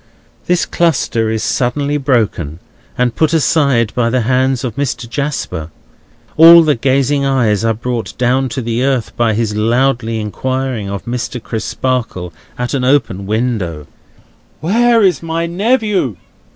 This cluster is suddenly broken and put aside by the hands of Mr. Jasper; all the gazing eyes are brought down to the earth by his loudly inquiring of Mr. Crisparkle, at an open window: "Where is my nephew?"